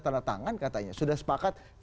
tanda tangan katanya sudah sepakat